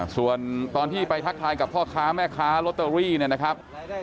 ส่วนตอนที่ไปทักทายกับพ่อค้าแม่ค้าลอตเตอรี่เนี่ยนะครับ